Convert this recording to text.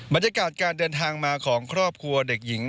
บรรยากาศการเดินทางมาของครอบครัวเด็กหญิง